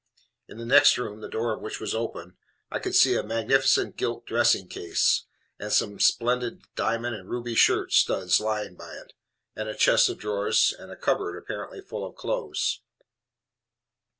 In the next room, the door of which was open, I could see a magnificent gilt dressing case, with some splendid diamond and ruby shirt studs lying by it, and a chest of drawers, and a cupboard apparently full of clothes.